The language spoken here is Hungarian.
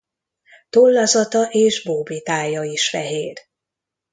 Tollazata és bóbitája is fehér.